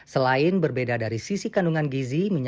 selain berbeda dari sisi kandungan gizi